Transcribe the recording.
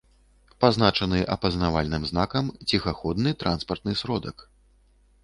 Пазначаны апазнавальным знакам “Ціхаходны транспартны сродак”